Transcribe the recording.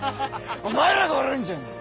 お前らが笑うんじゃねえ！